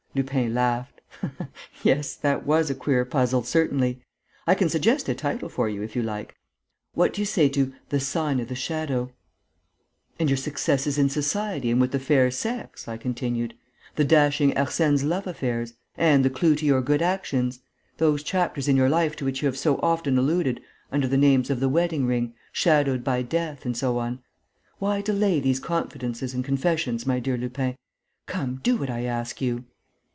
Lupin laughed: "Yes, that was a queer puzzle, certainly. I can suggest a title for you if you like: what do you say to The Sign of the Shadow?" "And your successes in society and with the fair sex?" I continued. "The dashing Arsène's love affairs!... And the clue to your good actions? Those chapters in your life to which you have so often alluded under the names of The Wedding ring, Shadowed by Death, and so on!... Why delay these confidences and confessions, my dear Lupin?... Come, do what I ask you!..."